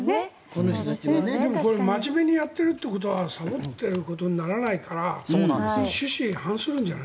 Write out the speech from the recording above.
でもこれ真面目にやってるということはさぼってることにならないから趣旨に反するんじゃない？